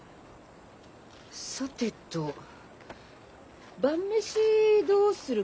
さてと晩飯どうするかね？